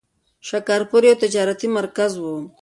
شکارپور یو تجارتي مرکز و.